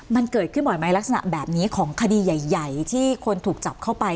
มันเกิดขึ้นบ่อยไหมลักษณะแบบนี้ของคดีใหญ่ที่คนถูกจับเข้าไป